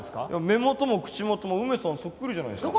目元も口元も梅さんそっくりじゃないですか。